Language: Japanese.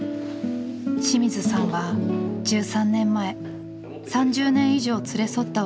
清水さんは１３年前３０年以上連れ添った夫を亡くしました。